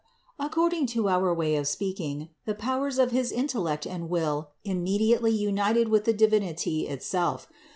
According to our way of speaking, the powers of his intellect and will immediately united with the Divinity itself.